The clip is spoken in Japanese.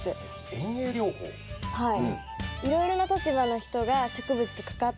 はい。